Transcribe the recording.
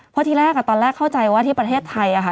เพราะที่แรกตอนแรกเข้าใจว่าที่ประเทศไทยค่ะ